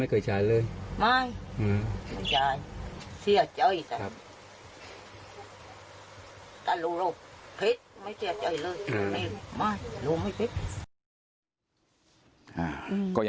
แม่บอกว่าลูกชายไม่ได้ทำ